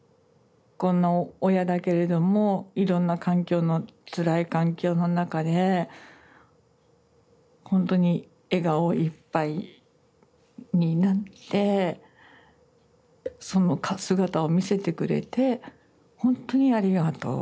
こんな親だけれどもいろんな環境のつらい環境の中でほんとに笑顔いっぱいになってその姿を見せてくれてほんとにありがとう。